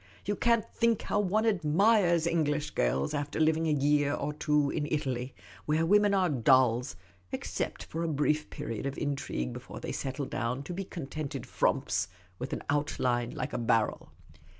You can't think how one admires English girls after living a year or two in Italy — where women are dolls, except for a brief period of intrigue, before they settle down to be contented frumps with an out line like a barrel."